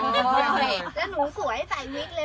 แล้วหนูสวยใส่วิกเลย